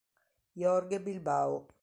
Jorge Bilbao